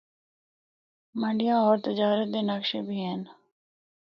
منڈیاں ہور تجارت دے نقشے بھی ہن۔